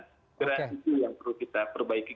itu yang perlu kita perbaiki